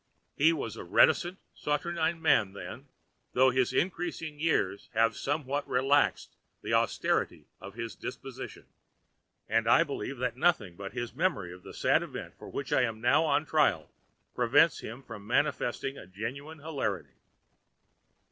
He was a reticent, saturnine man then, though his increasing years have now somewhat relaxed the austerity of his disposition, and I believe that nothing but his memory of the sad event for which I am now on trial prevents him from manifesting a genuine hilarity.